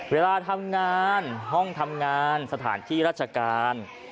เวลาทำงานห้องทำงานสถานที่ราชการ